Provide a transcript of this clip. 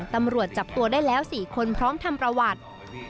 ตำรวจจับตัวได้แล้ว๔คนพร้อมทำประวัติ